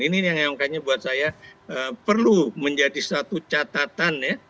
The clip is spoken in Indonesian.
ini yang kayaknya buat saya perlu menjadi satu catatan ya